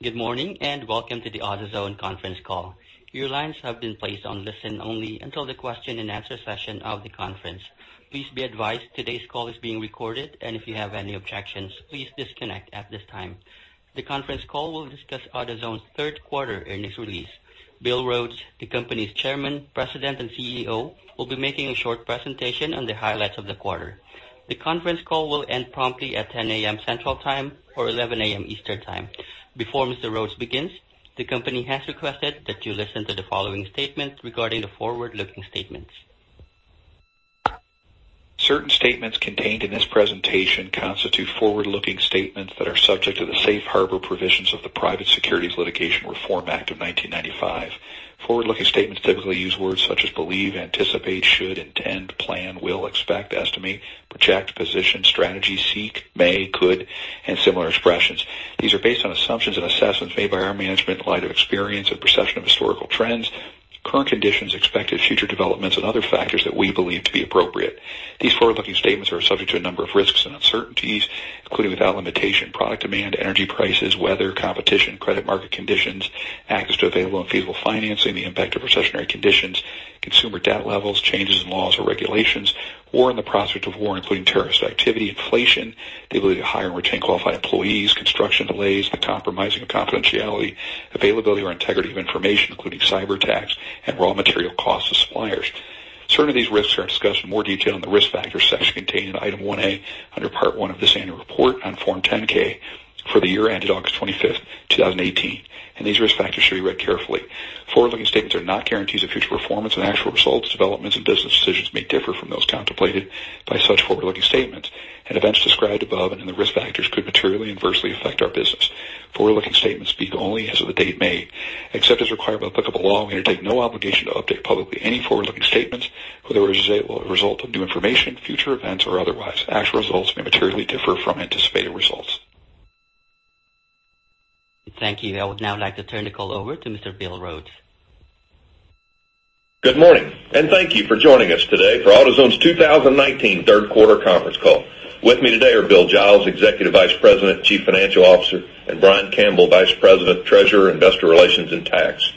Good morning, and welcome to the AutoZone conference call. Your lines have been placed on listen only until the question and answer session of the conference. Please be advised today's call is being recorded, and if you have any objections, please disconnect at this time. The conference call will discuss AutoZone's third quarter earnings release. Bill Rhodes, the company's Chairman, President, and CEO, will be making a short presentation on the highlights of the quarter. The conference call will end promptly at 10:00 A.M. Central Time or 11:00 A.M. Eastern Time. Before Mr. Rhodes begins, the company has requested that you listen to the following statement regarding the forward-looking statements. Certain statements contained in this presentation constitute forward-looking statements that are subject to the safe harbor provisions of the Private Securities Litigation Reform Act of 1995. Forward-looking statements typically use words such as believe, anticipate, should, intend, plan, will, expect, estimate, project, position, strategy, seek, may, could, and similar expressions. These are based on assumptions and assessments made by our management in light of experience and perception of historical trends, current conditions, expected future developments, and other factors that we believe to be appropriate. These forward-looking statements are subject to a number of risks and uncertainties, including without limitation, product demand, energy prices, weather, competition, credit market conditions, access to available and feasible financing, the impact of recessionary conditions, consumer debt levels, changes in laws or regulations, war and the prospects of war, including terrorist activity, inflation, the ability to hire and retain qualified employees, construction delays, the compromising of confidentiality, availability or integrity of information, including cyberattacks, and raw material costs to suppliers. Certain of these risks are discussed in more detail in the Risk Factors section contained in Item 1A under Part 1 of this annual report on Form 10-K for the year ended August 25, 2018. These risk factors should be read carefully. Forward-looking statements are not guarantees of future performance, and actual results, developments, and business decisions may differ from those contemplated by such forward-looking statements, and events described above and in the risk factors could materially adversely affect our business. Forward-looking statements speak only as of the date made. Except as required by applicable law, we undertake no obligation to update publicly any forward-looking statements, whether as a result of new information, future events, or otherwise. Actual results may materially differ from anticipated results. Thank you. I would now like to turn the call over to Mr. Bill Rhodes. Good morning, and thank you for joining us today for AutoZone's 2019 third quarter conference call. With me today are Bill Giles, Executive Vice President, Chief Financial Officer, and Brian Campbell, Vice President, Treasurer, Investor Relations, and Tax.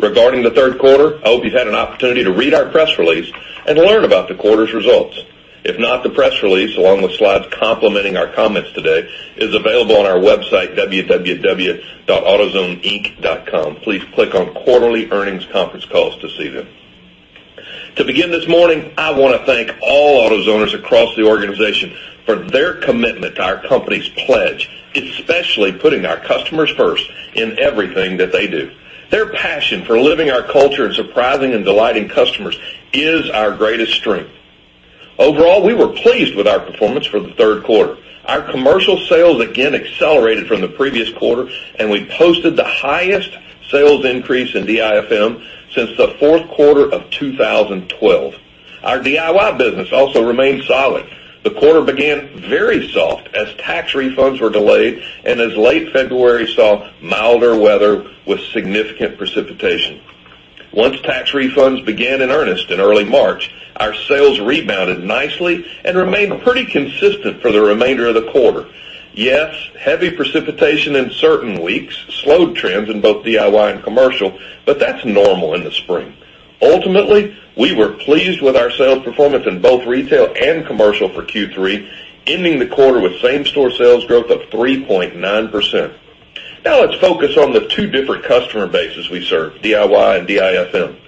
Regarding the third quarter, I hope you've had an opportunity to read our press release and learn about the quarter's results. If not, the press release, along with slides complementing our comments today, is available on our website, www.investors.autozone.com. Please click on Quarterly Earnings Conference Calls to see them. To begin this morning, I want to thank all AutoZoners across the organization for their commitment to our company's pledge, especially putting our customers first in everything that they do. Their passion for living our culture and surprising and delighting customers is our greatest strength. Overall, we were pleased with our performance for the third quarter. Our commercial sales again accelerated from the previous quarter, and we posted the highest sales increase in DIFM since the fourth quarter of 2012. Our DIY business also remained solid. The quarter began very soft as tax refunds were delayed and as late February saw milder weather with significant precipitation. Once tax refunds began in earnest in early March, our sales rebounded nicely and remained pretty consistent for the remainder of the quarter. Yes, heavy precipitation in certain weeks slowed trends in both DIY and commercial, but that's normal in the spring. Ultimately, we were pleased with our sales performance in both retail and commercial for Q3, ending the quarter with same-store sales growth of 3.9%. Now let's focus on the two different customer bases we serve, DIY and DIFM.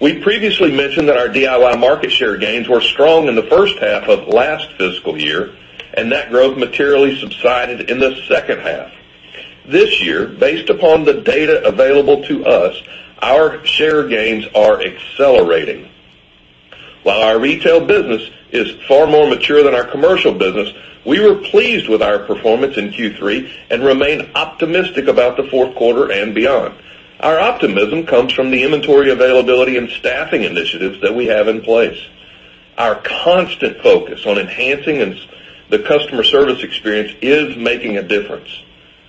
We previously mentioned that our DIY market share gains were strong in the first half of last fiscal year, and that growth materially subsided in the second half. This year, based upon the data available to us, our share gains are accelerating. While our retail business is far more mature than our commercial business, we were pleased with our performance in Q3 and remain optimistic about the fourth quarter and beyond. Our optimism comes from the inventory availability and staffing initiatives that we have in place. Our constant focus on enhancing the customer service experience is making a difference.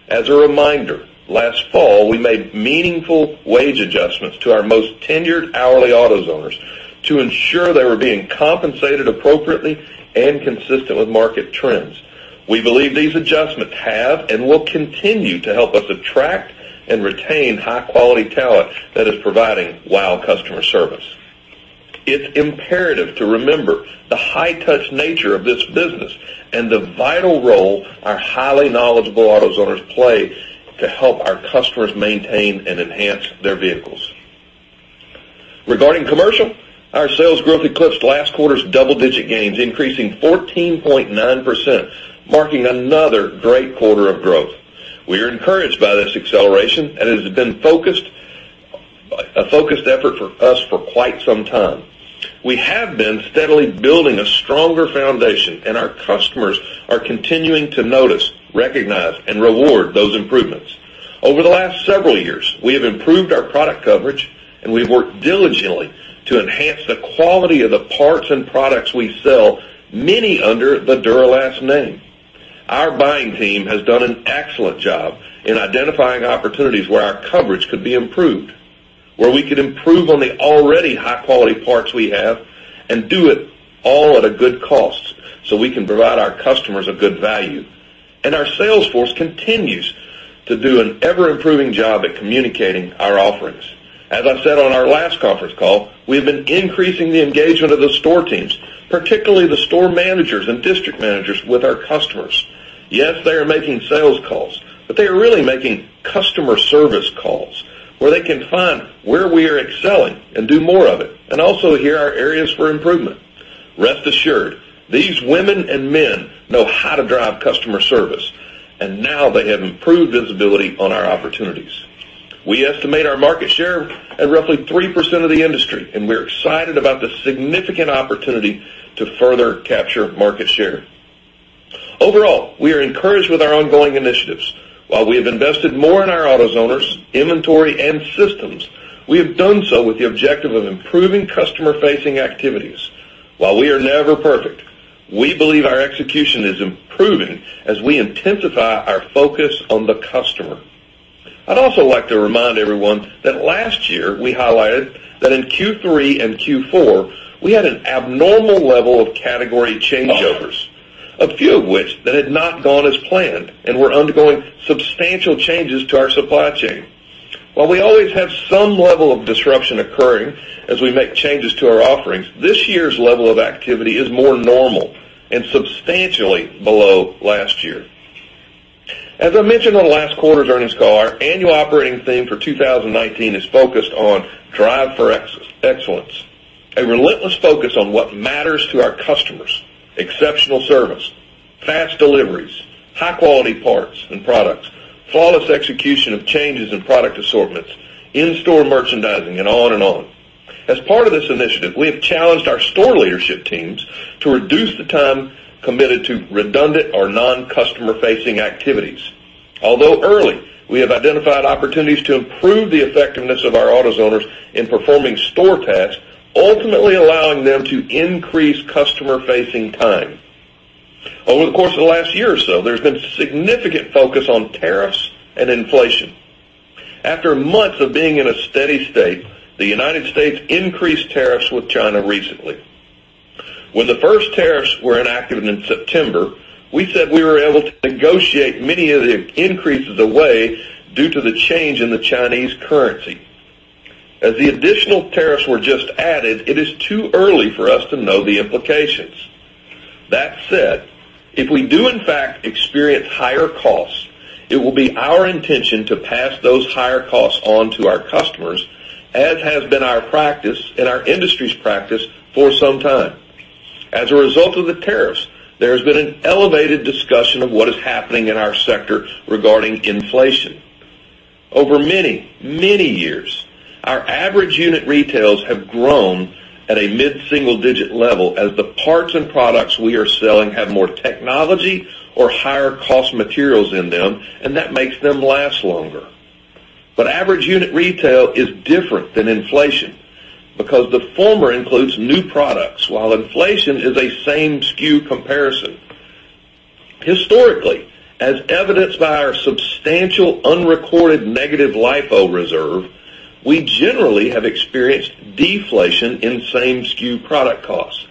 As a reminder, last fall, we made meaningful wage adjustments to our most tenured hourly AutoZoners to ensure they were being compensated appropriately and consistent with market trends. We believe these adjustments have and will continue to help us attract and retain high-quality talent that is providing wow customer service. It's imperative to remember the high-touch nature of this business and the vital role our highly knowledgeable AutoZoners play to help our customers maintain and enhance their vehicles. Regarding commercial, our sales growth eclipsed last quarter's double-digit gains, increasing 14.9%, marking another great quarter of growth. We are encouraged by this acceleration. It has been a focused effort for us for quite some time. We have been steadily building a stronger foundation, and our customers are continuing to notice, recognize, and reward those improvements. Over the last several years, we have improved our product coverage, and we've worked diligently to enhance the quality of the parts and products we sell, many under the Duralast name. Our buying team has done an excellent job in identifying opportunities where our coverage could be improved. Where we could improve on the already high-quality parts we have and do it all at a good cost so we can provide our customers a good value. Our sales force continues to do an ever-improving job at communicating our offerings. As I said on our last conference call, we have been increasing the engagement of the store teams, particularly the store managers and district managers, with our customers. Yes, they are making sales calls, but they are really making customer service calls where they can find where we are excelling and do more of it, and also hear our areas for improvement. Rest assured, these women and men know how to drive customer service, and now they have improved visibility on our opportunities. We estimate our market share at roughly 3% of the industry, and we're excited about the significant opportunity to further capture market share. Overall, we are encouraged with our ongoing initiatives. While we have invested more in our AutoZoners, inventory, and systems, we have done so with the objective of improving customer-facing activities. While we are never perfect, we believe our execution is improving as we intensify our focus on the customer. I'd also like to remind everyone that last year we highlighted that in Q3 and Q4, we had an abnormal level of category changeovers, a few of which that had not gone as planned and were undergoing substantial changes to our supply chain. While we always have some level of disruption occurring as we make changes to our offerings, this year's level of activity is more normal and substantially below last year. As I mentioned on last quarter's earnings call, our annual operating theme for 2019 is focused on Drive for Excellence, a relentless focus on what matters to our customers, exceptional service, fast deliveries, high-quality parts and products, flawless execution of changes in product assortments, in-store merchandising, and on and on. As part of this initiative, we have challenged our store leadership teams to reduce the time committed to redundant or non-customer-facing activities. Although early, we have identified opportunities to improve the effectiveness of our AutoZoners in performing store tasks, ultimately allowing them to increase customer-facing time. Over the course of the last year or so, there's been significant focus on tariffs and inflation. After months of being in a steady state, the U.S. increased tariffs with China recently. When the first tariffs were enacted in September, we said we were able to negotiate many of the increases away due to the change in the Chinese currency. As the additional tariffs were just added, it is too early for us to know the implications. That said, if we do in fact experience higher costs, it will be our intention to pass those higher costs on to our customers, as has been our practice and our industry's practice for some time. As a result of the tariffs, there has been an elevated discussion of what is happening in our sector regarding inflation. Over many, many years, our average unit retails have grown at a mid-single digit level as the parts and products we are selling have more technology or higher cost materials in them, and that makes them last longer. Average unit retail is different than inflation because the former includes new products, while inflation is a same-SKU comparison. Historically, as evidenced by our substantial unrecorded negative LIFO reserve, we generally have experienced deflation in same-SKU product costs.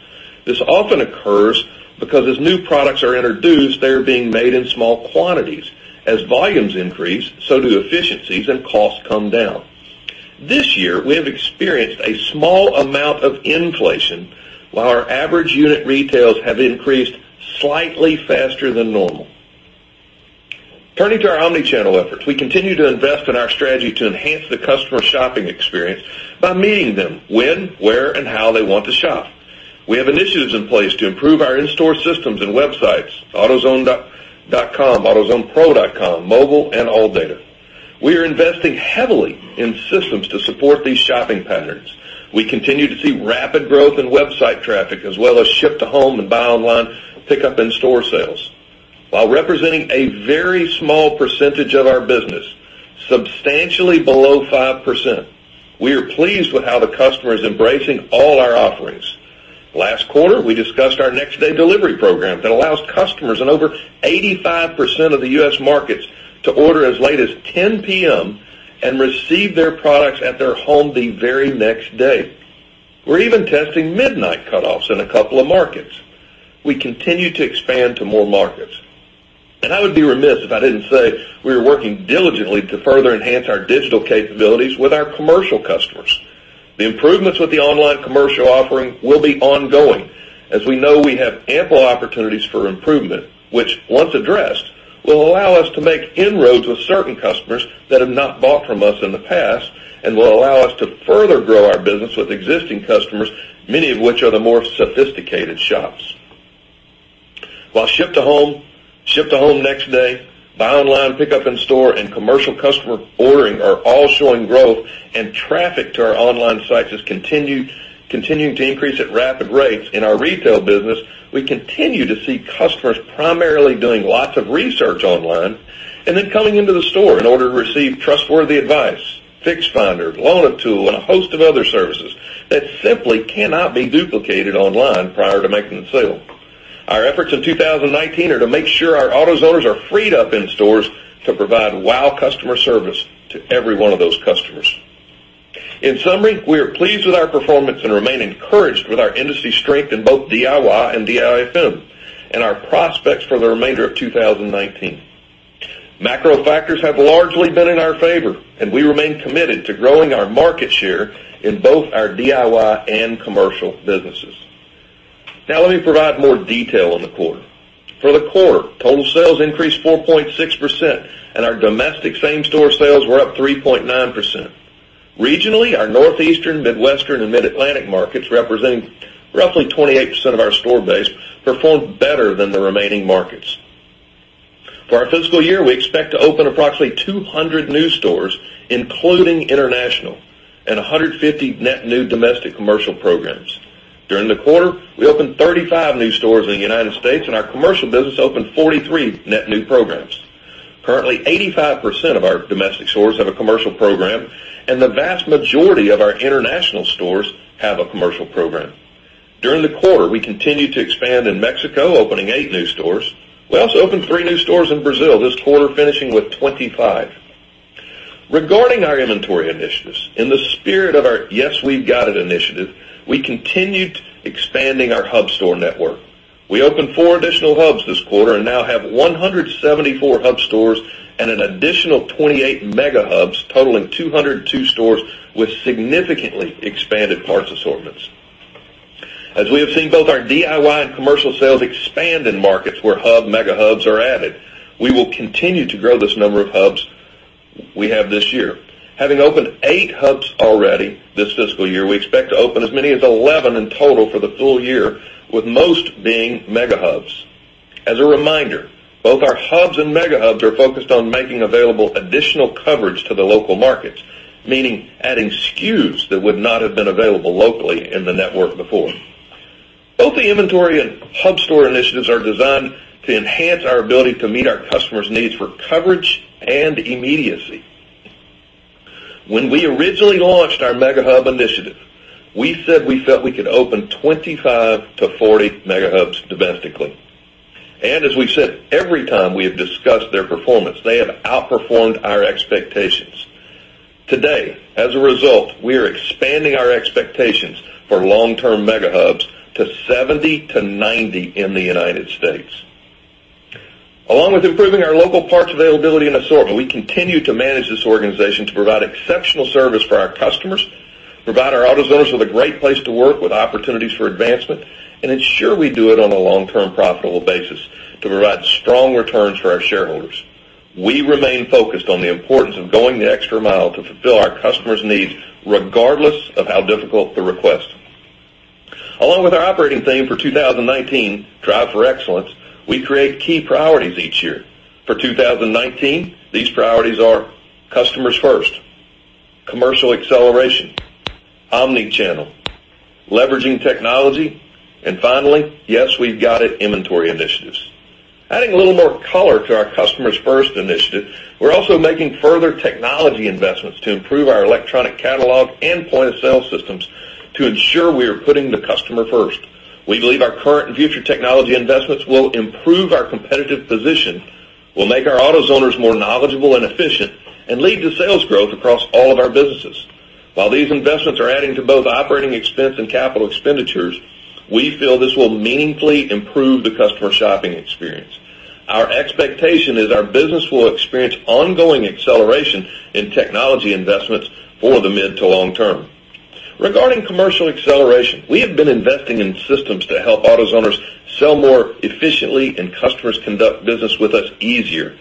This often occurs because as new products are introduced, they're being made in small quantities. As volumes increase, so do efficiencies and costs come down. This year, we have experienced a small amount of inflation while our average unit retails have increased slightly faster than normal. Turning to our omnichannel efforts, we continue to invest in our strategy to enhance the customer shopping experience by meeting them when, where, and how they want to shop. We have initiatives in place to improve our in-store systems and websites, autozone.com, autozonepro.com, mobile, and ALLDATA. We are investing heavily in systems to support these shopping patterns. We continue to see rapid growth in website traffic as well as ship to home and buy online, pick up in-store sales. While representing a very small percentage of our business, substantially below 5%, we are pleased with how the customer is embracing all our offerings. Last quarter, we discussed our next-day delivery program that allows customers in over 85% of the U.S. markets to order as late as 10:00 P.M. and receive their products at their home the very next day. We're even testing midnight cutoffs in a couple of markets. We continue to expand to more markets. I would be remiss if I didn't say we are working diligently to further enhance our digital capabilities with our commercial customers. The improvements with the online commercial offering will be ongoing, as we know we have ample opportunities for improvement, which, once addressed, will allow us to make inroads with certain customers that have not bought from us in the past and will allow us to further grow our business with existing customers, many of which are the more sophisticated shops. While ship to home, next day, buy online, pick up in store, and commercial customer ordering are all showing growth and traffic to our online sites is continuing to increase at rapid rates in our retail business, we continue to see customers primarily doing lots of research online and then coming into the store in order to receive trustworthy advice, Fix Finder, Loan-A-Tool, and a host of other services that simply cannot be duplicated online prior to making the sale. Our efforts in 2019 are to make sure our AutoZoners are freed up in stores to provide wow customer service to every one of those customers. In summary, we are pleased with our performance and remain encouraged with our industry strength in both DIY and DIFM, and our prospects for the remainder of 2019. Macro factors have largely been in our favor, we remain committed to growing our market share in both our DIY and commercial businesses. Let me provide more detail on the quarter. For the quarter, total sales increased 4.6%, and our domestic same-store sales were up 3.9%. Regionally, our Northeastern, Midwestern, and Mid-Atlantic markets, representing roughly 28% of our store base, performed better than the remaining markets. For our fiscal year, we expect to open approximately 200 new stores, including international, and 150 net new domestic commercial programs. During the quarter, we opened 35 new stores in the United States, and our commercial business opened 43 net new programs. Currently, 85% of our domestic stores have a commercial program, and the vast majority of our international stores have a commercial program. During the quarter, we continued to expand in Mexico, opening eight new stores. We also opened three new stores in Brazil this quarter, finishing with 25. Regarding our inventory initiatives, in the spirit of our Yes, We've Got It initiative, we continued expanding our hub store network. We opened four additional hubs this quarter and now have 174 hub stores and an additional 28 mega hubs totaling 202 stores with significantly expanded parts assortments. As we have seen both our DIY and commercial sales expand in markets where hub mega hubs are added, we will continue to grow this number of hubs we have this year. Having opened eight hubs already this fiscal year, we expect to open as many as 11 in total for the full year, with most being mega hubs. As a reminder, both our hubs and mega hubs are focused on making available additional coverage to the local markets, meaning adding SKUs that would not have been available locally in the network before. Both the inventory and hub store initiatives are designed to enhance our ability to meet our customers' needs for coverage and immediacy. When we originally launched our mega hub initiative, we said we felt we could open 25 to 40 mega hubs domestically. As we've said every time we have discussed their performance, they have outperformed our expectations. Today, as a result, we are expanding our expectations for long-term mega hubs to 70 to 90 in the United States. Along with improving our local parts availability and assortment, we continue to manage this organization to provide exceptional service for our customers, provide our AutoZoners with a great place to work with opportunities for advancement, and ensure we do it on a long-term profitable basis to provide strong returns for our shareholders. We remain focused on the importance of going the extra mile to fulfill our customers' needs, regardless of how difficult the request. Along with our operating theme for 2019, Drive for Excellence, we create key priorities each year. For 2019, these priorities are Customers First, commercial acceleration, omnichannel, leveraging technology, and finally, Yes, We've Got It inventory initiatives. Adding a little more color to our Customers First initiative, we are also making further technology investments to improve our electronic catalog and point-of-sale systems to ensure we are putting the customer first. We believe our current and future technology investments will improve our competitive position, will make our AutoZoners more knowledgeable and efficient, and lead to sales growth across all of our businesses. While these investments are adding to both operating expense and capital expenditures, we feel this will meaningfully improve the customer shopping experience. Our expectation is our business will experience ongoing acceleration in technology investments for the mid to long term. Regarding commercial acceleration, we have been investing in systems to help AutoZoners sell more efficiently and customers conduct business with us easier.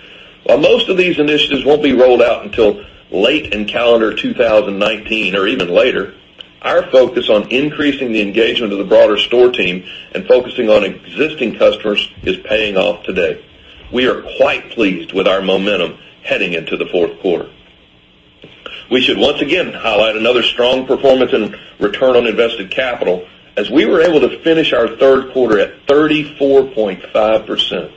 While most of these initiatives won't be rolled out until late in calendar 2019 or even later, our focus on increasing the engagement of the broader store team and focusing on existing customers is paying off today. We are quite pleased with our momentum heading into the fourth quarter. We should once again highlight another strong performance in return on invested capital as we were able to finish our third quarter at 34.5%.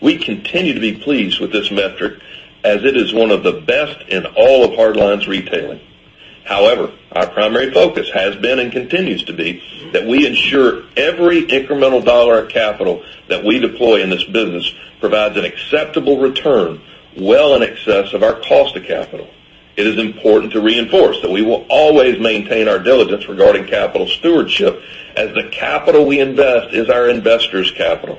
We continue to be pleased with this metric as it is one of the best in all of hard lines retailing. Our primary focus has been and continues to be that we ensure every incremental dollar of capital that we deploy in this business provides an acceptable return well in excess of our cost of capital. It is important to reinforce that we will always maintain our diligence regarding capital stewardship as the capital we invest is our investors' capital.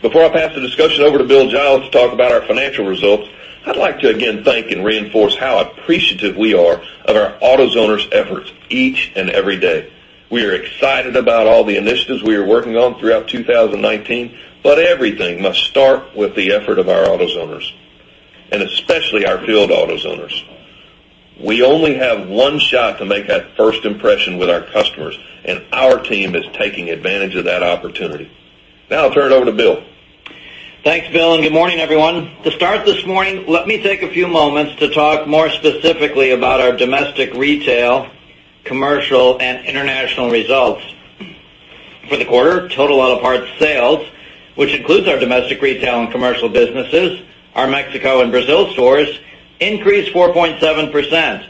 Before I pass the discussion over to Bill Giles to talk about our financial results, I would like to again thank and reinforce how appreciative we are of our AutoZoners' efforts each and every day. We are excited about all the initiatives we are working on throughout 2019, everything must start with the effort of our AutoZoners, and especially our field AutoZoners. We only have one shot to make that first impression with our customers, and our team is taking advantage of that opportunity. I will turn it over to Bill. Thanks, Bill, and good morning, everyone. To start this morning, let me take a few moments to talk more specifically about our domestic retail, commercial, and international results. For the quarter, total auto parts sales, which includes our domestic retail and commercial businesses, our Mexico and Brazil stores increased 4.7%.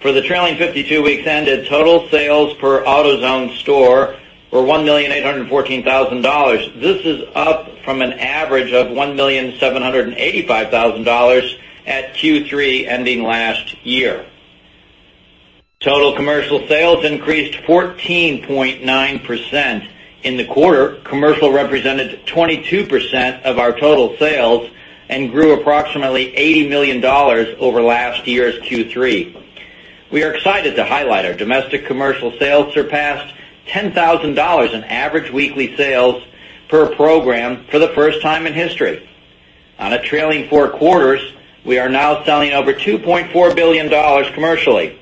For the trailing 52 weeks ended, total sales per AutoZone store were $1,814,000. This is up from an average of $1,785,000 at Q3 ending last year. Total commercial sales increased 14.9%. In the quarter, commercial represented 22% of our total sales and grew approximately $80 million over last year's Q3. We are excited to highlight our domestic commercial sales surpassed $10,000 in average weekly sales per program for the first time in history. On a trailing four quarters, we are now selling over $2.4 billion commercially.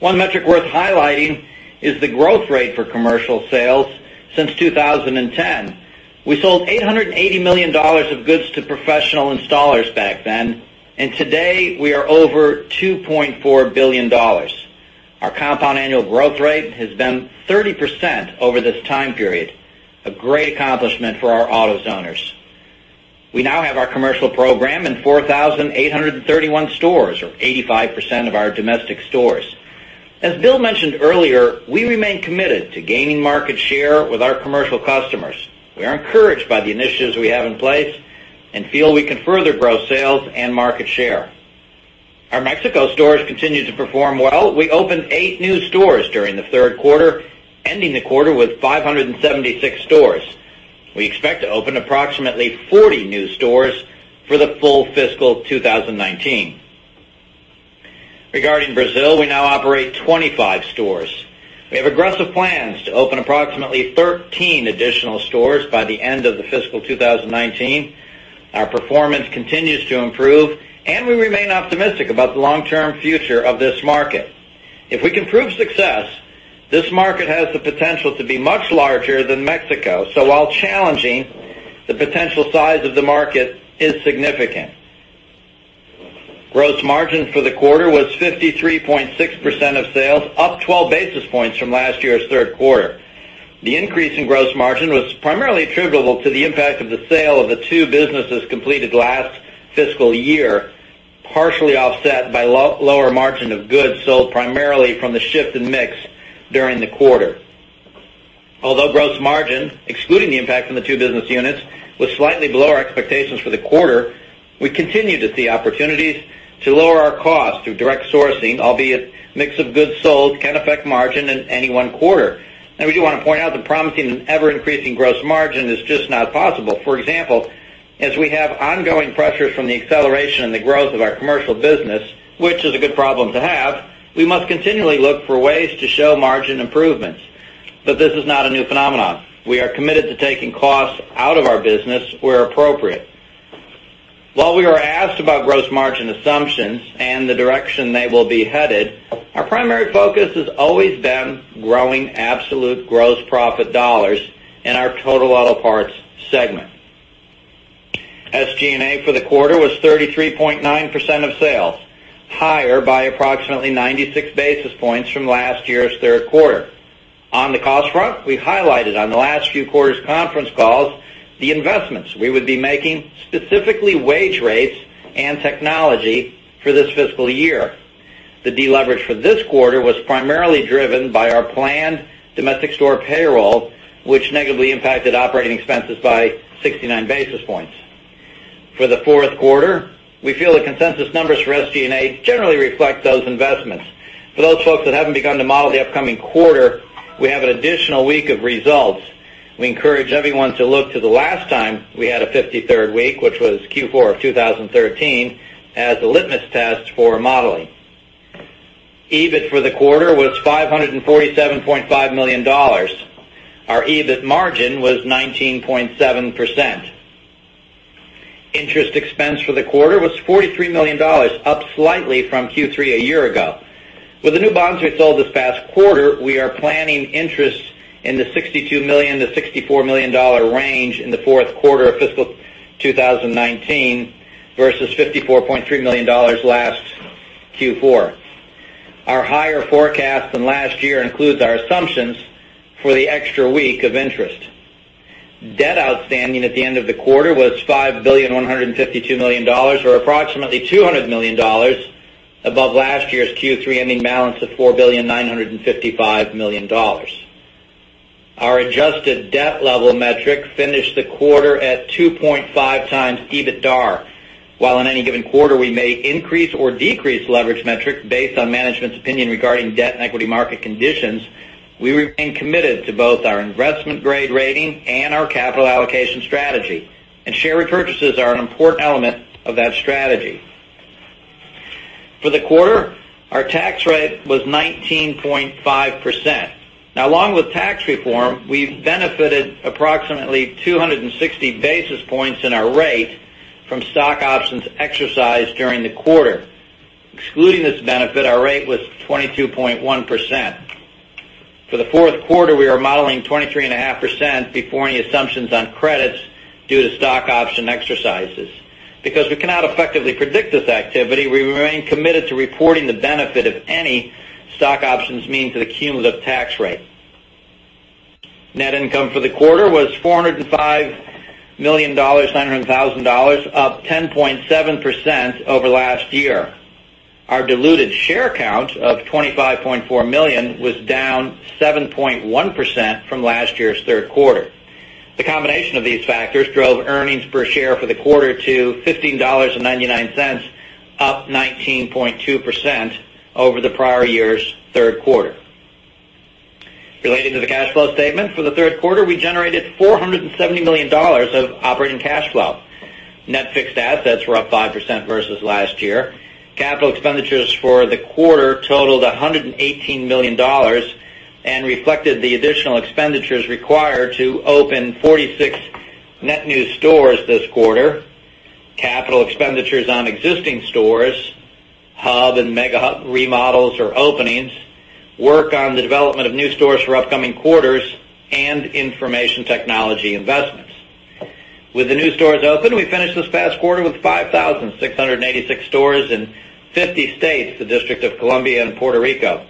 One metric worth highlighting is the growth rate for commercial sales since 2010. We sold $880 million of goods to professional installers back then. Today we are over $2.4 billion. Our compound annual growth rate has been 30% over this time period, a great accomplishment for our AutoZoners. We now have our commercial program in 4,831 stores or 85% of our domestic stores. As Bill mentioned earlier, we remain committed to gaining market share with our commercial customers. We are encouraged by the initiatives we have in place and feel we can further grow sales and market share. Our Mexico stores continue to perform well. We opened eight new stores during the third quarter, ending the quarter with 576 stores. We expect to open approximately 40 new stores for the full fiscal 2019. Regarding Brazil, we now operate 25 stores. We have aggressive plans to open approximately 13 additional stores by the end of the fiscal 2019. Our performance continues to improve and we remain optimistic about the long-term future of this market. If we can prove success, this market has the potential to be much larger than Mexico. While challenging, the potential size of the market is significant. Gross margin for the quarter was 53.6% of sales, up 12 basis points from last year's third quarter. The increase in gross margin was primarily attributable to the impact of the sale of the two businesses completed last fiscal year, partially offset by lower margin of goods sold primarily from the shift in mix during the quarter. Although gross margin, excluding the impact from the two business units, was slightly below our expectations for the quarter, we continue to see opportunities to lower our cost through direct sourcing, albeit mix of goods sold can affect margin in any one quarter. Now we do want to point out that promising an ever-increasing gross margin is just not possible. For example, as we have ongoing pressures from the acceleration and the growth of our commercial business, which is a good problem to have, we must continually look for ways to show margin improvements. This is not a new phenomenon. We are committed to taking costs out of our business where appropriate. While we are asked about gross margin assumptions and the direction they will be headed, our primary focus has always been growing absolute gross profit dollars in our total auto parts segment. SG&A for the quarter was 33.9% of sales, higher by approximately 96 basis points from last year's third quarter. On the cost front, we highlighted on the last few quarters conference calls the investments we would be making, specifically wage rates and technology for this fiscal year. The deleverage for this quarter was primarily driven by our planned domestic store payroll, which negatively impacted operating expenses by 69 basis points. For the fourth quarter, we feel the consensus numbers for SG&A generally reflect those investments. For those folks that haven't begun to model the upcoming quarter, we have an additional week of results. We encourage everyone to look to the last time we had a 53rd week, which was Q4 of 2013, as a litmus test for modeling. EBIT for the quarter was $547.5 million. Our EBIT margin was 19.7%. Interest expense for the quarter was $43 million, up slightly from Q3 a year ago. With the new bonds we sold this past quarter, we are planning interest in the $62 million-$64 million range in the fourth quarter of fiscal 2019 versus $54.3 million last Q4. Our higher forecast than last year includes our assumptions for the extra week of interest. Debt outstanding at the end of the quarter was $5,152,000,000 or approximately $200 million above last year's Q3 ending balance of $4,955,000. Our adjusted debt level metric finished the quarter at 2.5 times EBITDAR. While in any given quarter we may increase or decrease leverage metrics based on management's opinion regarding debt and equity market conditions, we remain committed to both our investment-grade rating and our capital allocation strategy. Share repurchases are an important element of that strategy. For the quarter, our tax rate was 19.5%. Along with tax reform, we benefited approximately 260 basis points in our rate from stock options exercised during the quarter. Excluding this benefit, our rate was 22.1%. For the fourth quarter, we are modeling 23.5% before any assumptions on credits due to stock option exercises. Because we cannot effectively predict this activity, we remain committed to reporting the benefit of any stock options mean to the cumulative tax rate. Net income for the quarter was $405,900,000, up 10.7% over last year. Our diluted share count of 25.4 million was down 7.1% from last year's third quarter. The combination of these factors drove earnings per share for the quarter to $15.99, up 19.2% over the prior year's third quarter. Relating to the cash flow statement for the third quarter, we generated $470 million of operating cash flow. Net fixed assets were up 5% versus last year. Capital expenditures for the quarter totaled $118 million and reflected the additional expenditures required to open 46 net new stores this quarter, capital expenditures on existing stores, hub and mega hub remodels or openings, work on the development of new stores for upcoming quarters, and information technology investments. With the new stores open, we finished this past quarter with 5,686 stores in 50 states, the District of Columbia and Puerto Rico,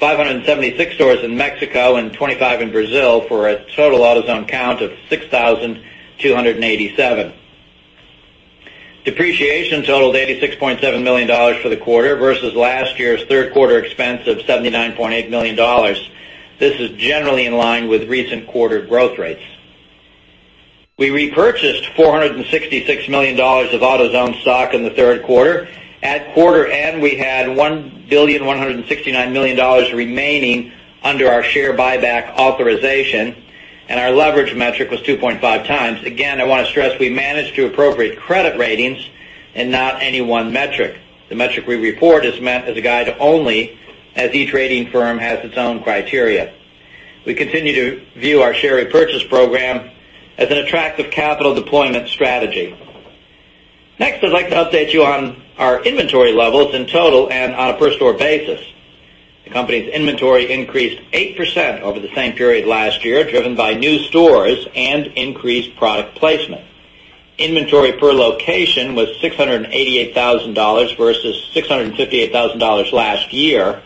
576 stores in Mexico, and 25 in Brazil for a total AutoZone count of 6,287. Depreciation totaled $86.7 million for the quarter versus last year's third quarter expense of $79.8 million. This is generally in line with recent quarter growth rates. We repurchased $466 million of AutoZone stock in the third quarter. At quarter end, we had $1,169,000,000 remaining under our share buyback authorization. Our leverage metric was 2.5 times. Again, I want to stress we manage to appropriate credit ratings and not any one metric. The metric we report is meant as a guide only, as each rating firm has its own criteria. We continue to view our share repurchase program as an attractive capital deployment strategy. I'd like to update you on our inventory levels in total and on a per store basis. The company's inventory increased 8% over the same period last year, driven by new stores and increased product placement. Inventory per location was $688,000 versus $658,000 last year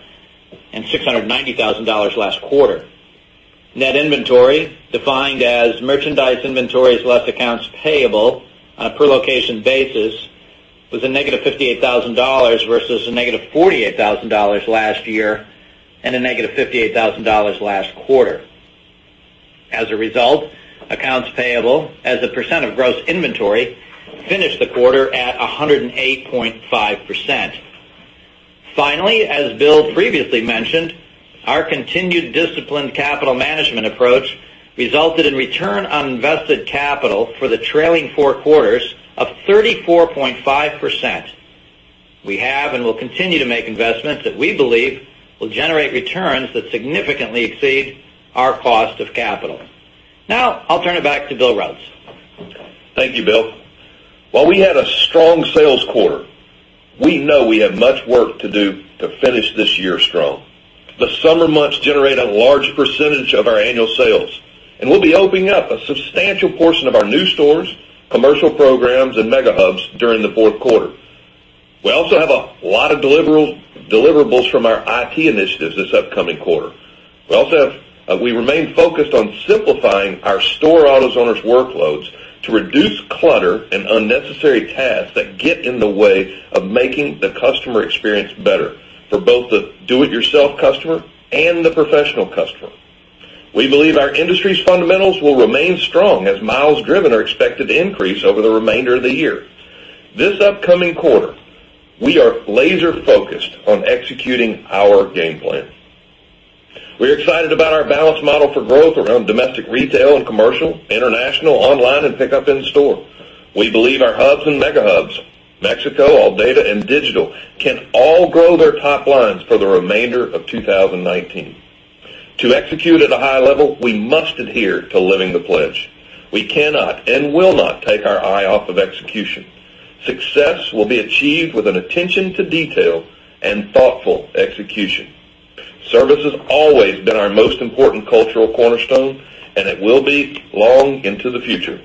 and $690,000 last quarter. Net inventory, defined as merchandise inventories less accounts payable on a per location basis, was a negative $58,000 versus a negative $48,000 last year and a negative $58,000 last quarter. As a result, accounts payable as a percent of gross inventory finished the quarter at 108.5%. Finally, as Bill previously mentioned, our continued disciplined capital management approach resulted in return on invested capital for the trailing four quarters of 34.5%. We have and will continue to make investments that we believe will generate returns that significantly exceed our cost of capital. I'll turn it back to Bill Rhodes. Thank you, Bill. While we had a strong sales quarter, we know we have much work to do to finish this year strong. The summer months generate a large percentage of our annual sales, and we'll be opening up a substantial portion of our new stores, commercial programs, and mega hubs during the fourth quarter. We also have a lot of deliverables from our IT initiatives this upcoming quarter. We remain focused on simplifying our store AutoZoners workloads to reduce clutter and unnecessary tasks that get in the way of making the customer experience better for both the do-it-yourself customer and the professional customer. We believe our industry's fundamentals will remain strong as miles driven are expected to increase over the remainder of the year. This upcoming quarter, we are laser-focused on executing our game plan. We're excited about our balanced model for growth around domestic, retail and commercial, international, online, and pickup in store. We believe our hubs and mega hubs, Mexico, ALLDATA, and digital can all grow their top lines for the remainder of 2019. To execute at a high level, we must adhere to Living the Pledge. We cannot and will not take our eye off of execution. Success will be achieved with an attention to detail and thoughtful execution. Service has always been our most important cultural cornerstone, and it will be long into the future.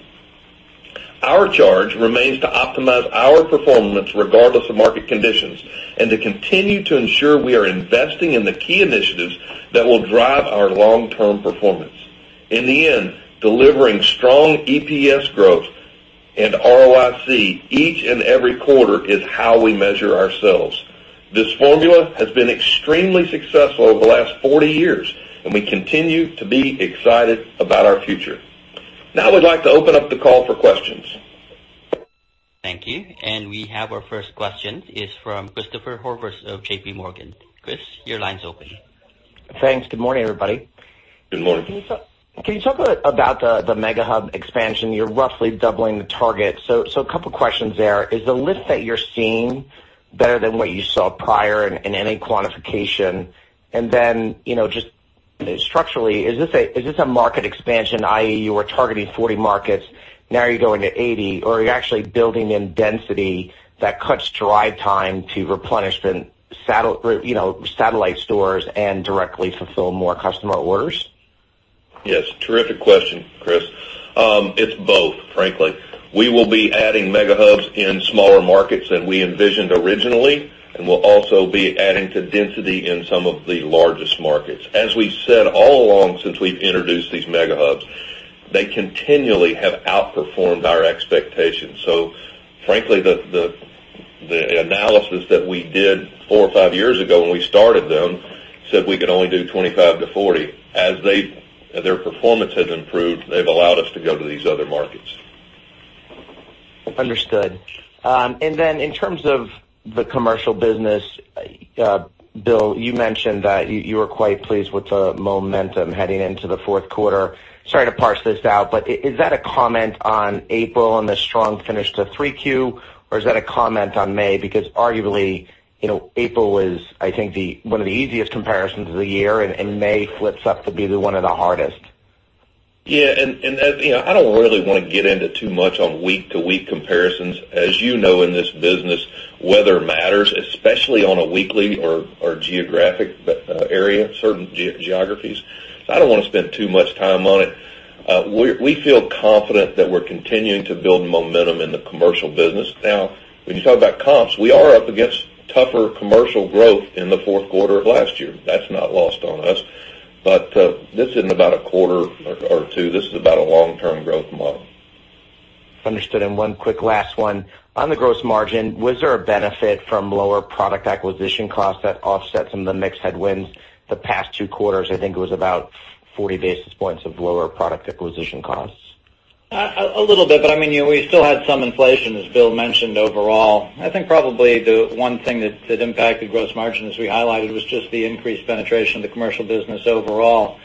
Our charge remains to optimize our performance regardless of market conditions and to continue to ensure we are investing in the key initiatives that will drive our long-term performance. In the end, delivering strong EPS growth and ROIC each and every quarter is how we measure ourselves. This formula has been extremely successful over the last 40 years, and we continue to be excited about our future. We'd like to open up the call for questions. Thank you. We have our first question. It's from Christopher Horvers of JPMorgan. Chris, your line's open. Thanks. Good morning, everybody. Good morning. Can you talk about the mega hub expansion? You're roughly doubling the target. A couple of questions there. Is the list that you're seeing better than what you saw prior and any quantification? Then just structurally, is this a market expansion, i.e., you were targeting 40 markets, now you're going to 80, or are you actually building in density that cuts drive time to replenishment satellite stores and directly fulfill more customer orders? Yes. Terrific question, Chris. It's both, frankly. We will be adding mega hubs in smaller markets than we envisioned originally, and we'll also be adding to density in some of the largest markets. As we said all along since we've introduced these mega hubs, they continually have outperformed our expectations. Frankly, the analysis that we did four or five years ago when we started them said we could only do 25 to 40. As their performance has improved, they've allowed us to go to these other markets. Understood. Then in terms of the commercial business, Bill, you mentioned that you were quite pleased with the momentum heading into the fourth quarter. Sorry to parse this out, but is that a comment on April and the strong finish to three Q, or is that a comment on May? Arguably, April is, I think, one of the easiest comparisons of the year, and May flips up to be one of the hardest. Yeah. I don't really want to get into too much on week-to-week comparisons. As you know, in this business, weather matters, especially on a weekly or geographic area, certain geographies. I don't want to spend too much time on it. We feel confident that we're continuing to build momentum in the commercial business. Now, when you talk about comps, we are up against tougher commercial growth in the fourth quarter of last year. That's not lost on us. This isn't about a quarter or two. This is about a long-term growth model. Understood. One quick last one. On the gross margin, was there a benefit from lower product acquisition costs that offset some of the mix headwinds the past two quarters? I think it was about 40 basis points of lower product acquisition costs. A little bit, we still had some inflation, as Bill mentioned, overall. I think probably the one thing that impacted gross margin, as we highlighted, was just the increased penetration of the commercial business overall.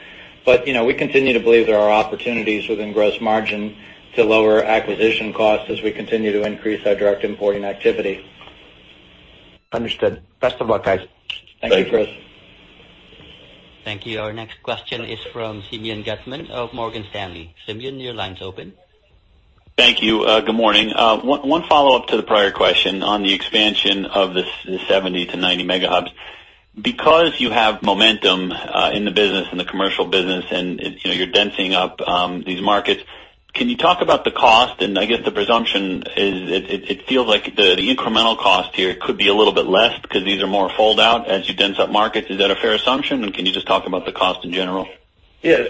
We continue to believe there are opportunities within gross margin to lower acquisition costs as we continue to increase our direct importing activity. Understood. Best of luck, guys. Thank you, Chris. Thank you. Thank you. Our next question is from Simeon Gutman of Morgan Stanley. Simeon, your line's open. Thank you. Good morning. One follow-up to the prior question on the expansion of the 70-90 mega hubs. You have momentum in the business, in the commercial business, and you're densing up these markets, can you talk about the cost? I guess the presumption is it feels like the incremental cost here could be a little bit less because these are more fold-out as you dense up markets. Is that a fair assumption? Can you just talk about the cost in general? Yeah.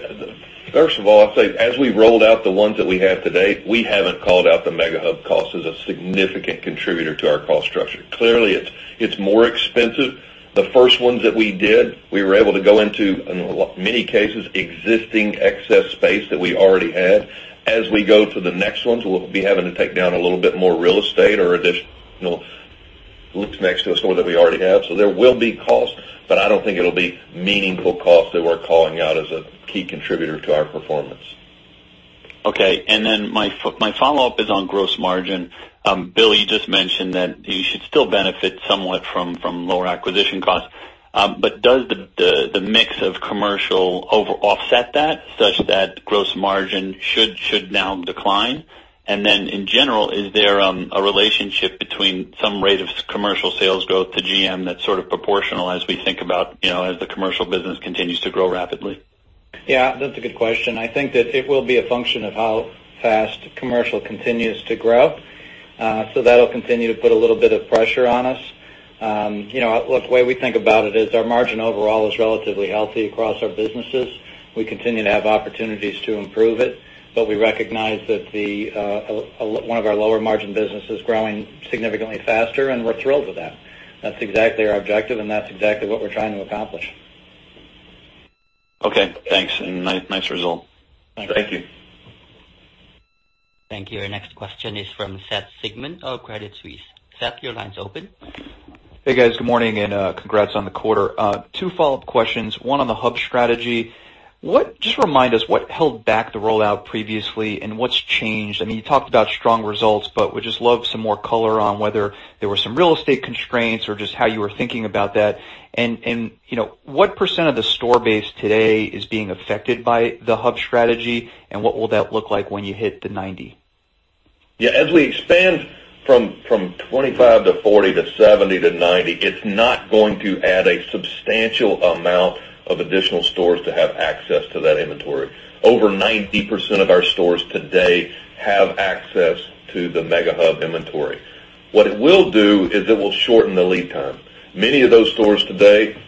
First of all, I'd say as we rolled out the ones that we have today, we haven't called out the mega hub cost as a significant contributor to our cost structure. Clearly, it's more expensive. The first ones that we did, we were able to go into, in many cases, existing excess space that we already had. As we go to the next ones, we'll be having to take down a little bit more real estate or additional looks next to a store that we already have. There will be costs, but I don't think it'll be meaningful costs that we're calling out as a key contributor to our performance. Okay. My follow-up is on gross margin. Bill, you just mentioned that you should still benefit somewhat from lower acquisition costs. Does the mix of commercial over offset that such that gross margin should now decline? In general, is there a relationship between some rate of commercial sales growth to GM that's sort of proportional as we think about as the commercial business continues to grow rapidly? Yeah, that's a good question. I think that it will be a function of how fast commercial continues to grow. That'll continue to put a little bit of pressure on us. The way we think about it is our margin overall is relatively healthy across our businesses. We continue to have opportunities to improve it, but we recognize that one of our lower margin business is growing significantly faster, and we're thrilled with that. That's exactly our objective, and that's exactly what we're trying to accomplish. Okay, thanks. Nice result. Thank you. Thank you. Our next question is from Seth Sigman of Credit Suisse. Seth, your line's open. Hey, guys. Good morning, and congrats on the quarter. Two follow-up questions, one on the hub strategy. Just remind us what held back the rollout previously and what's changed. You talked about strong results, would just love some more color on whether there were some real estate constraints or just how you were thinking about that. What % of the store base today is being affected by the hub strategy, and what will that look like when you hit the 90? Yeah, as we expand from 25 to 40 to 70 to 90, it's not going to add a substantial amount of additional stores to have access to that inventory. Over 90% of our stores today have access to the mega hub inventory. What it will do is it will shorten the lead time. Many of those stores today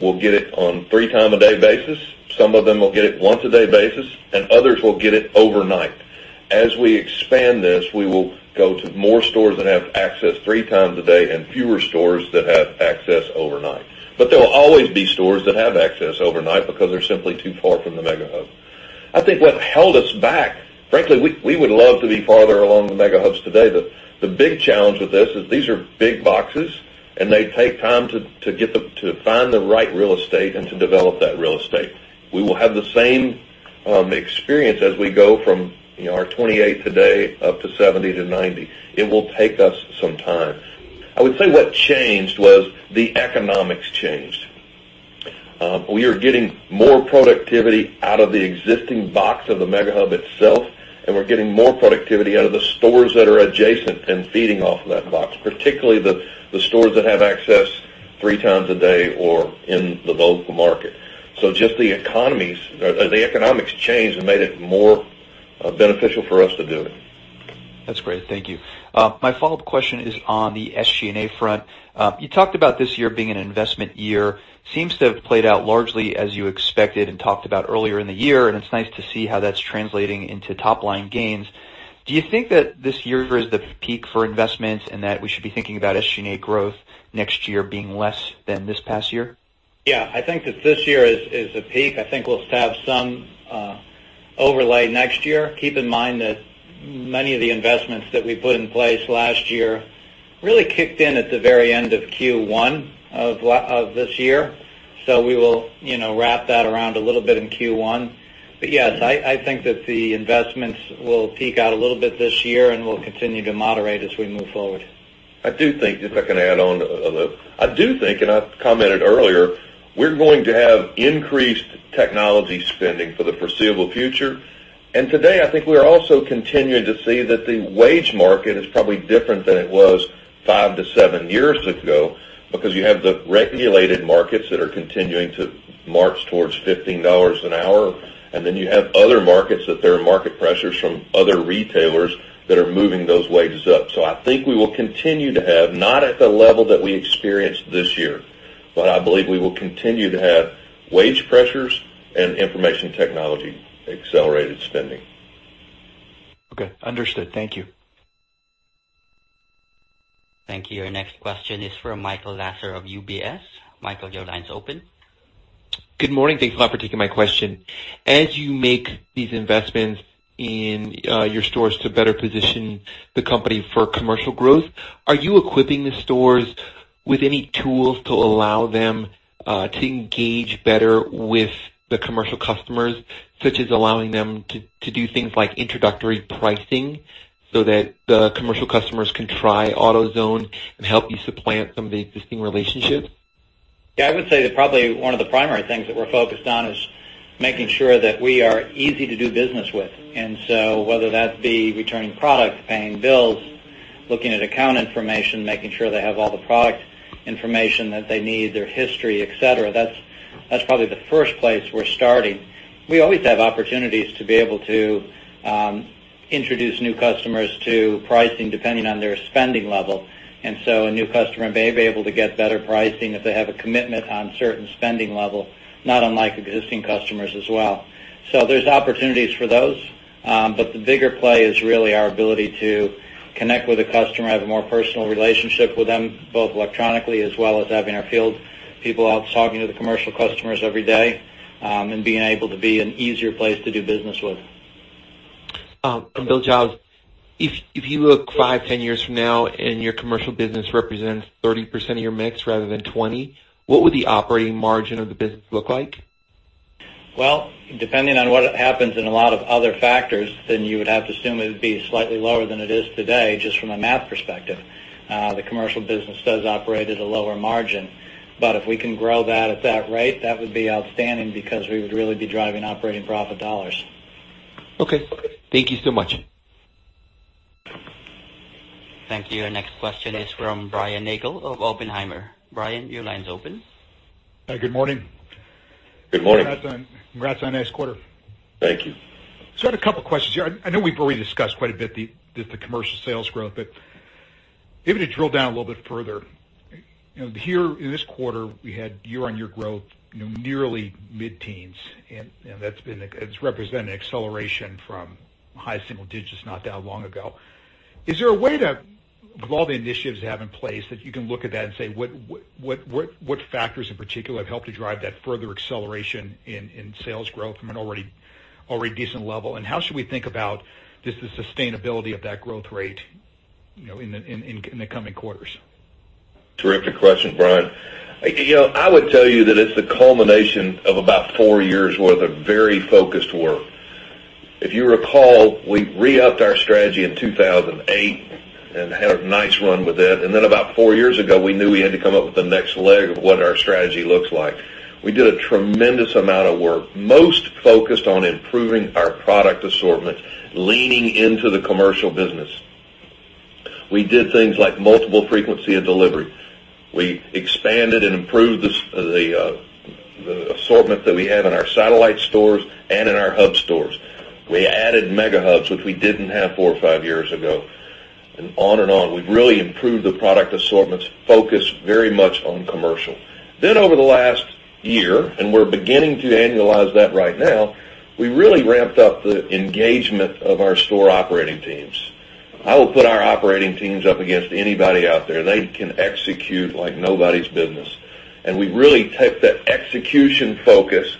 will get it on three-time-a-day basis. Some of them will get it once-a-day basis, and others will get it overnight. As we expand this, we will go to more stores that have access three times a day and fewer stores that have access overnight. There will always be stores that have access overnight because they're simply too far from the mega hub. I think what held us back, frankly, we would love to be farther along the mega hubs today. The big challenge with this is these are big boxes, and they take time to find the right real estate and to develop that real estate. We will have the same experience as we go from our 28 today up to 70 to 90. It will take us some time. I would say what changed was the economics changed. We are getting more productivity out of the existing box of the mega hub itself, and we're getting more productivity out of the stores that are adjacent and feeding off that box, particularly the stores that have access three times a day or in the local market. Just the economics changed and made it more beneficial for us to do it. That's great. Thank you. My follow-up question is on the SG&A front. You talked about this year being an investment year. Seems to have played out largely as you expected and talked about earlier in the year, it's nice to see how that's translating into top-line gains. Do you think that this year is the peak for investments and that we should be thinking about SG&A growth next year being less than this past year? Yeah, I think that this year is a peak. I think we'll have some overlay next year. Keep in mind that many of the investments that we put in place last year really kicked in at the very end of Q1 of this year. We will wrap that around a little bit in Q1. Yes, I think that the investments will peak out a little bit this year and will continue to moderate as we move forward. If I can add on. I do think, and I commented earlier, we're going to have increased technology spending for the foreseeable future. Today, I think we are also continuing to see that the wage market is probably different than it was five to seven years ago because you have the regulated markets that are continuing to march towards $15 an hour, and then you have other markets that there are market pressures from other retailers that are moving those wages up. I think we will continue to have, not at the level that we experienced this year, but I believe we will continue to have wage pressures and information technology accelerated spending. Okay, understood. Thank you. Thank you. Our next question is from Michael Lasser of UBS. Michael, your line's open. Good morning. Thanks a lot for taking my question. As you make these investments in your stores to better position the company for commercial growth, are you equipping the stores with any tools to allow them to engage better with the commercial customers, such as allowing them to do things like introductory pricing so that the commercial customers can try AutoZone and help you supplant some of the existing relationships? Yeah, I would say that probably one of the primary things that we're focused on is making sure that we are easy to do business with. Whether that be returning products, paying bills, looking at account information, making sure they have all the product information that they need, their history, et cetera, that's probably the first place we're starting. We always have opportunities to be able to introduce new customers to pricing depending on their spending level. A new customer may be able to get better pricing if they have a commitment on certain spending level, not unlike existing customers as well. There's opportunities for those. The bigger play is really our ability to connect with a customer, have a more personal relationship with them, both electronically as well as having our field people out talking to the commercial customers every day, and being able to be an easier place to do business with. Bill Giles, if you look five, 10 years from now and your commercial business represents 30% of your mix rather than 20, what would the operating margin of the business look like? Well, depending on what happens in a lot of other factors, then you would have to assume it would be slightly lower than it is today, just from a math perspective. The commercial business does operate at a lower margin. If we can grow that at that rate, that would be outstanding because we would really be driving operating profit dollars. Okay. Thank you so much. Thank you. Our next question is from Brian Nagel of Oppenheimer. Brian, your line's open. Good morning. Good morning. Congrats on a nice quarter. Thank you. Just had a couple questions here. I know we've already discussed quite a bit the commercial sales growth, but maybe to drill down a little bit further. Here in this quarter, we had year-on-year growth nearly mid-teens, and it's representing an acceleration from high single digits not that long ago. Is there a way that with all the initiatives you have in place, that you can look at that and say what factors in particular have helped to drive that further acceleration in sales growth from an already decent level? How should we think about just the sustainability of that growth rate in the coming quarters? Terrific question, Brian. I would tell you that it's the culmination of about four years' worth of very focused work. If you recall, we re-upped our strategy in 2008 and had a nice run with it, then about four years ago, we knew we had to come up with the next leg of what our strategy looks like. We did a tremendous amount of work, most focused on improving our product assortment, leaning into the commercial business. We did things like multiple frequency of delivery. We expanded and improved the assortment that we had in our satellite stores and in our hub stores. We added mega hubs, which we didn't have four or five years ago, and on and on. We've really improved the product assortments, focused very much on commercial. Over the last year, we're beginning to annualize that right now, we really ramped up the engagement of our store operating teams. I will put our operating teams up against anybody out there. They can execute like nobody's business. We really take that execution focus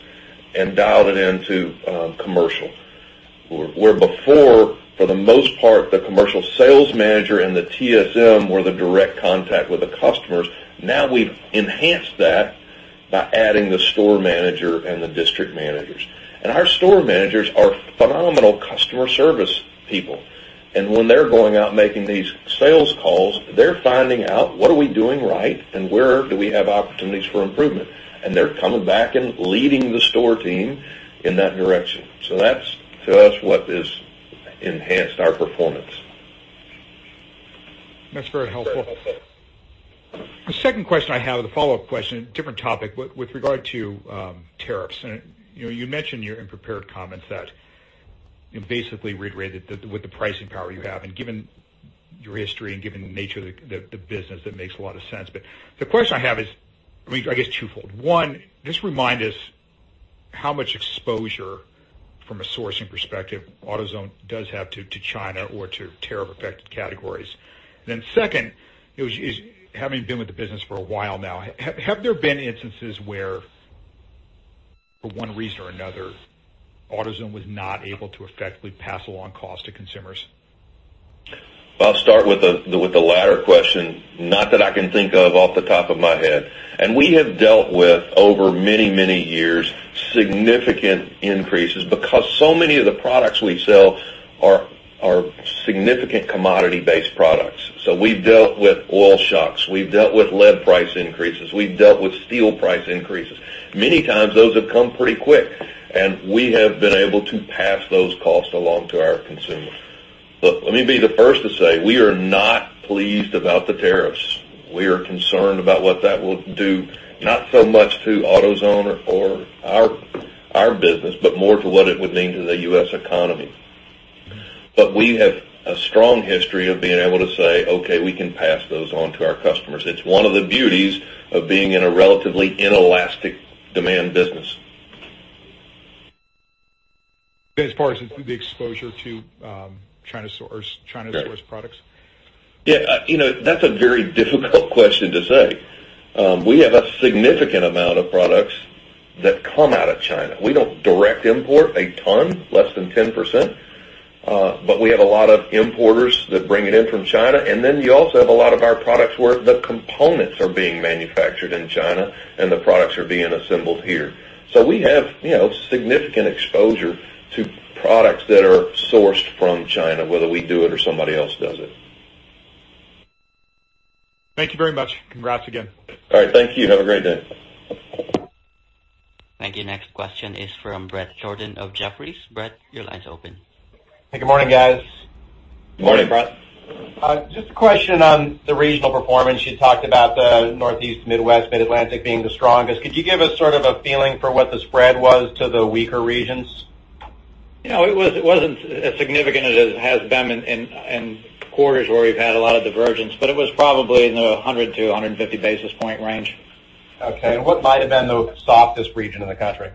and dialed it into commercial. Where before, for the most part, the commercial sales manager and the TSM were the direct contact with the customers. Now we've enhanced that by adding the store manager and the district managers. Our store managers are phenomenal customer service people. When they're going out making these sales calls, they're finding out what are we doing right and where do we have opportunities for improvement. They're coming back and leading the store team in that direction. That's just what this enhanced our performance. That's very helpful. The second question I have is a follow-up question, different topic, with regard to tariffs. You mentioned in your prepared comments that you basically reiterated that with the pricing power you have, and given your history and given the nature of the business, that makes a lot of sense. The question I have is, I guess twofold. One, just remind us how much exposure from a sourcing perspective AutoZone does have to China or to tariff-affected categories. Second, having been with the business for a while now, have there been instances where, for one reason or another, AutoZone was not able to effectively pass along cost to consumers? I'll start with the latter question. Not that I can think of off the top of my head. We have dealt with, over many, many years, significant increases because so many of the products we sell are significant commodity-based products. We've dealt with oil shocks, we've dealt with lead price increases, we've dealt with steel price increases. Many times those have come pretty quick, and we have been able to pass those costs along to our consumers. Look, let me be the first to say, we are not pleased about the tariffs. We are concerned about what that will do, not so much to AutoZone or our business, but more to what it would mean to the U.S. economy. We have a strong history of being able to say, "Okay, we can pass those on to our customers." It's one of the beauties of being in a relatively inelastic demand business. As far as the exposure to China-sourced products? Yeah. That's a very difficult question to say. We have a significant amount of products that come out of China. We don't direct import a ton, less than 10%, but we have a lot of importers that bring it in from China. You also have a lot of our products where the components are being manufactured in China and the products are being assembled here. We have significant exposure to products that are sourced from China, whether we do it or somebody else does it. Thank you very much. Congrats again. All right. Thank you. Have a great day. Thank you. Next question is from Bret Jordan of Jefferies. Brett, your line's open. Hey, good morning, guys. Good morning, Brett. Just a question on the regional performance. You talked about the Northeast, Midwest, Mid-Atlantic being the strongest. Could you give us sort of a feeling for what the spread was to the weaker regions? It wasn't as significant as it has been in quarters where we've had a lot of divergence, but it was probably in the 100 to 150 basis point range. Okay. What might have been the softest region in the country?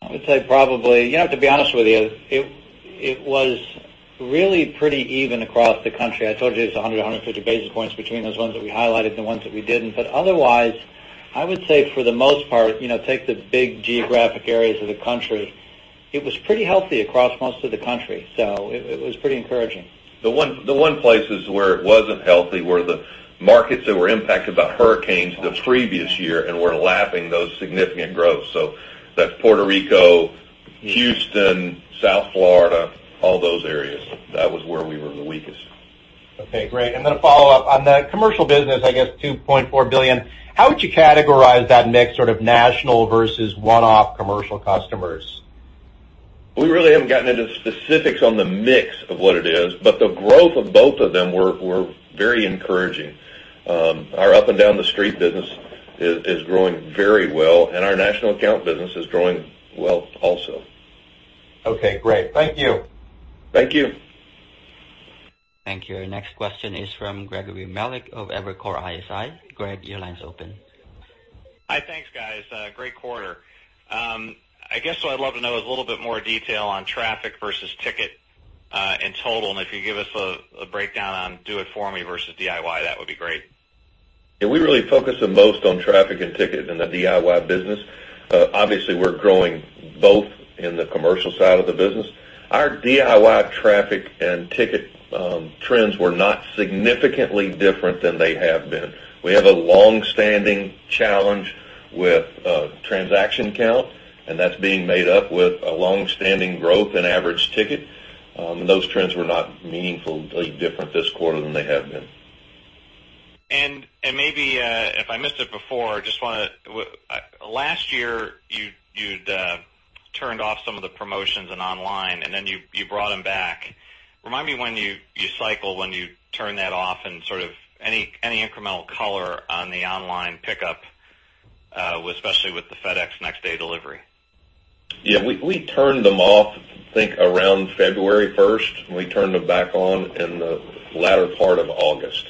I would say probably. To be honest with you, it was really pretty even across the country. I told you it's 100 to 150 basis points between those ones that we highlighted and the ones that we didn't. Otherwise, I would say for the most part, take the big geographic areas of the country, it was pretty healthy across most of the country. It was pretty encouraging. The one place where it wasn't healthy were the markets that were impacted by hurricanes the previous year and were lapping those significant growths. That's Puerto Rico, Houston, South Florida, all those areas. That was where we were the weakest. Okay, great. A follow-up on the commercial business, I guess $2.4 billion. How would you categorize that mix, sort of national versus one-off commercial customers? We really haven't gotten into specifics on the mix of what it is, the growth of both of them were very encouraging. Our up and down the street business is growing very well, our national account business is growing well also. Okay, great. Thank you. Thank you. Thank you. Our next question is from Gregory Melich of Evercore ISI. Greg, your line's open. Hi, thanks guys. Great quarter. I guess what I'd love to know is a little bit more detail on traffic versus ticket in total. If you give us a breakdown on Do It For Me versus DIY, that would be great. Yeah, we really focus the most on traffic and ticket in the DIY business. Obviously, we're growing both in the commercial side of the business. Our DIY traffic and ticket trends were not significantly different than they have been. We have a longstanding challenge with transaction count, and that's being made up with a longstanding growth in average ticket. Those trends were not meaningfully different this quarter than they have been. Maybe if I missed it before, last year you'd turned off some of the promotions in online, then you brought them back. Remind me when you cycle when you turn that off and sort of any incremental color on the online pickup, especially with the FedEx Next Day Delivery. Yeah. We turned them off I think around February 1st. We turned them back on in the latter part of August.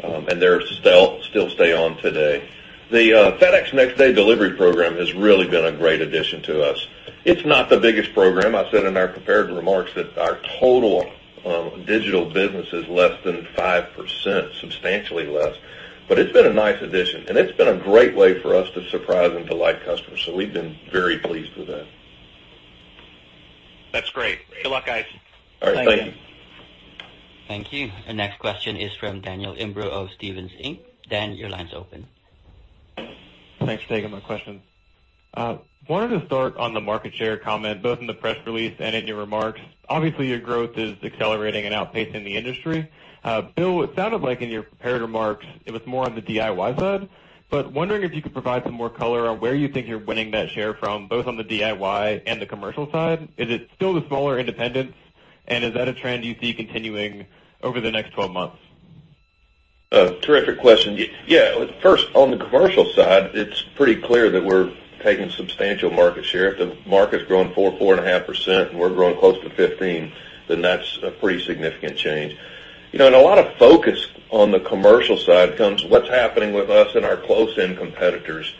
They still stay on today. The FedEx Next Day Delivery Program has really been a great addition to us. It's not the biggest program. I said in our prepared remarks that our total digital business is less than 5%, substantially less. It's been a nice addition, and it's been a great way for us to surprise and delight customers. We've been very pleased with that. That's great. Good luck, guys. All right. Thank you. Thank you. Our next question is from Daniel Imbro of Stephens Inc. Dan, your line's open. Thanks for taking my question. Wondering to start on the market share comment, both in the press release and in your remarks. Obviously, your growth is accelerating and outpacing the industry. Bill, it sounded like in your prepared remarks it was more on the DIY side. Wondering if you could provide some more color on where you think you're winning that share from, both on the DIY and the commercial side. Is it still the smaller independents, and is that a trend you see continuing over the next 12 months? Terrific question. Yeah. First, on the commercial side, it's pretty clear that we're taking substantial market share. If the market's growing 4%, 4.5% and we're growing close to 15%, then that's a pretty significant change. A lot of focus on the commercial side comes what's happening with us and our closest competitors.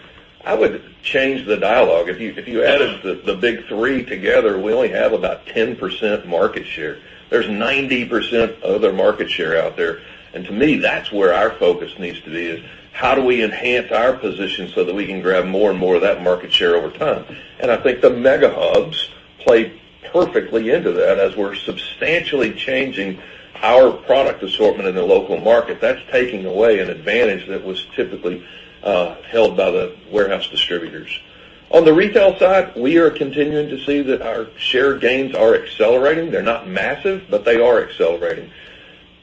I would change the dialogue. If you added the big three together, we only have about 10% market share. There's 90% other market share out there, and to me, that's where our focus needs to be, is how do we enhance our position so that we can grab more and more of that market share over time? I think the mega hubs play perfectly into that, as we're substantially changing our product assortment in the local market. That's taking away an advantage that was typically held by the warehouse distributors. On the retail side, we are continuing to see that our share gains are accelerating. They're not massive, but they are accelerating.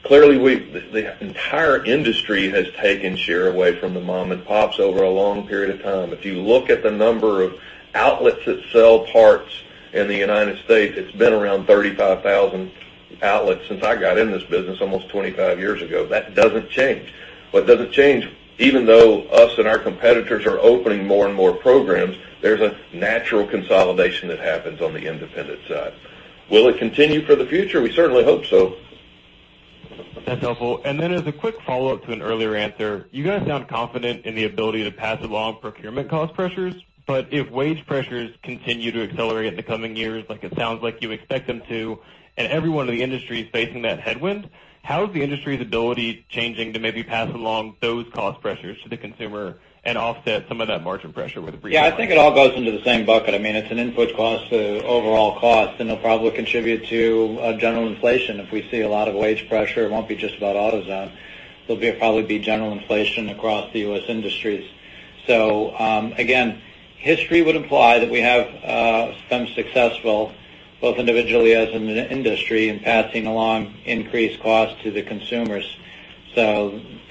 Clearly, the entire industry has taken share away from the mom and pops over a long period of time. If you look at the number of outlets that sell parts in the U.S., it's been around 35,000 outlets since I got in this business almost 25 years ago. That doesn't change. What doesn't change, even though us and our competitors are opening more and more programs, there's a natural consolidation that happens on the independent side. Will it continue for the future? We certainly hope so. That's helpful. Then as a quick follow-up to an earlier answer, you guys sound confident in the ability to pass along procurement cost pressures, but if wage pressures continue to accelerate in the coming years, like it sounds like you expect them to, and everyone in the industry is facing that headwind, how is the industry's ability changing to maybe pass along those cost pressures to the consumer and offset some of that margin pressure. Yeah, I think it all goes into the same bucket. It's an input cost to overall cost, and it'll probably contribute to a general inflation. If we see a lot of wage pressure, it won't be just about AutoZone. It'll probably be general inflation across the U.S. industries. Again, history would imply that we have been successful, both individually as in the industry, in passing along increased cost to the consumers.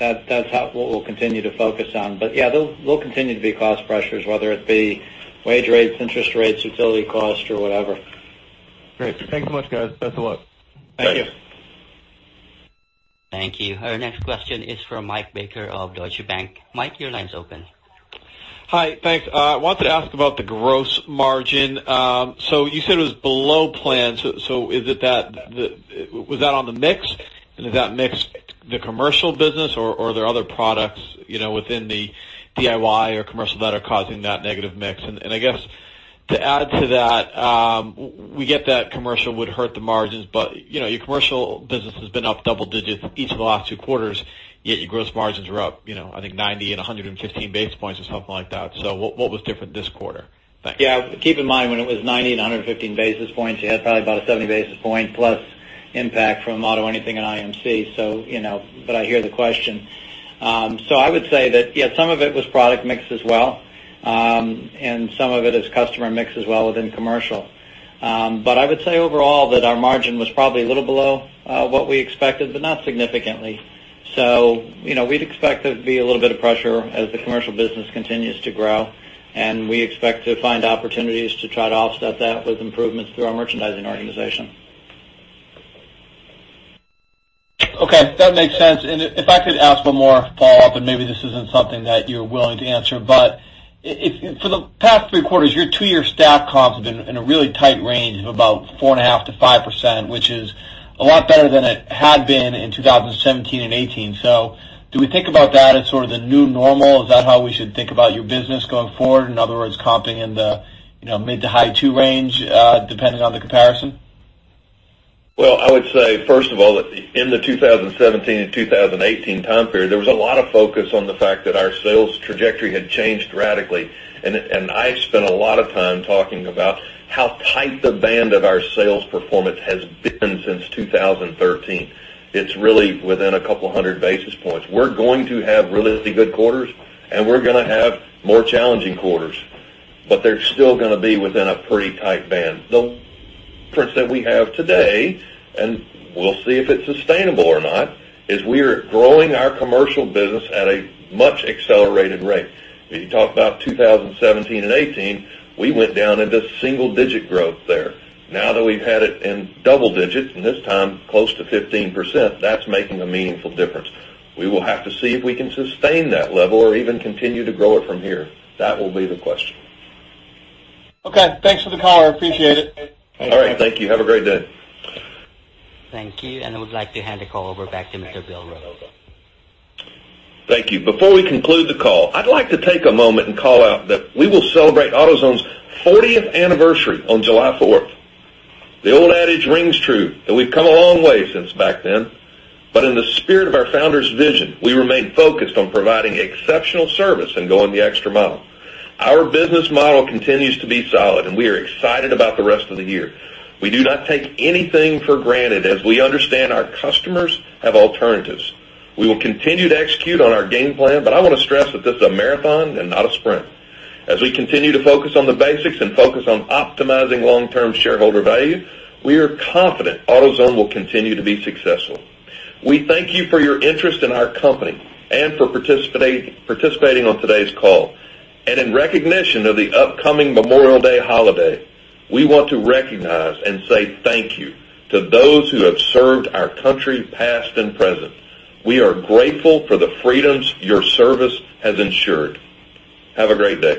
That's what we'll continue to focus on. Yeah, there'll continue to be cost pressures, whether it be wage rates, interest rates, utility costs or whatever. Great. Thanks so much, guys. Best of luck. Thank you. Thank you. Thank you. Our next question is from Michael Baker of Deutsche Bank. Mike, your line's open. Hi. Thanks. I wanted to ask about the gross margin. You said it was below plan, was that on the mix? Is that mix the commercial business or are there other products within the DIY or commercial that are causing that negative mix? I guess to add to that, we get that commercial would hurt the margins, but your commercial business has been up double digits each of the last two quarters, yet your gross margins are up I think 90 and 115 basis points or something like that. What was different this quarter? Thanks. Yeah, keep in mind, when it was 90 and 115 basis points, you had probably about a 70 basis point-plus impact from AutoAnything and IMC. I hear the question. I would say that, yeah, some of it was product mix as well, and some of it is customer mix as well within commercial. I would say overall that our margin was probably a little below what we expected, but not significantly. We'd expect there'd be a little bit of pressure as the commercial business continues to grow, and we expect to find opportunities to try to offset that with improvements through our merchandising organization. Okay, that makes sense. If I could ask one more follow-up, maybe this isn't something that you're willing to answer, for the past three quarters, your two-year staff comps have been in a really tight range of about 4.5%-5%, which is a lot better than it had been in 2017 and 2018. Do we think about that as sort of the new normal? Is that how we should think about your business going forward? In other words, comping in the mid to high two range, depending on the comparison? I would say, first of all, that in the 2017 and 2018 time period, there was a lot of focus on the fact that our sales trajectory had changed radically, I spent a lot of time talking about how tight the band of our sales performance has been since 2013. It's really within a couple of hundred basis points. We're going to have really good quarters and we're gonna have more challenging quarters, they're still gonna be within a pretty tight band. The difference that we have today, we'll see if it's sustainable or not, is we are growing our commercial business at a much accelerated rate. If you talk about 2017 and 2018, we went down into single-digit growth there. Now that we've had it in double digits, this time close to 15%, that's making a meaningful difference. We will have to see if we can sustain that level or even continue to grow it from here. That will be the question. Okay, thanks for the call. I appreciate it. All right. Thank you. Have a great day. Thank you. I would like to hand the call over back to Mr. Bill Rhodes. Thank you. Before we conclude the call, I'd like to take a moment and call out that we will celebrate AutoZone's 40th anniversary on July 4th. The old adage rings true that we've come a long way since back then. In the spirit of our founder's vision, we remain focused on providing exceptional service and going the extra mile. Our business model continues to be solid, and we are excited about the rest of the year. We do not take anything for granted, as we understand our customers have alternatives. We will continue to execute on our game plan, but I want to stress that this is a marathon and not a sprint. As we continue to focus on the basics and focus on optimizing long-term shareholder value, we are confident AutoZone will continue to be successful. We thank you for your interest in our company and for participating on today's call. In recognition of the upcoming Memorial Day holiday, we want to recognize and say thank you to those who have served our country, past and present. We are grateful for the freedoms your service has ensured. Have a great day.